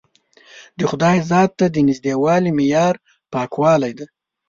د خدای ذات ته د نژدېوالي معیار پاکوالی دی.